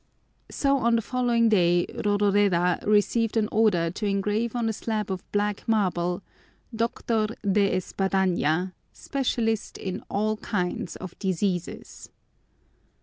So on the following day Rodoreda received an order to engrave on a slab of black marble: DR. DE ESPADAÑA, SPECIALIST IN ALL KINDS OF DISEASES.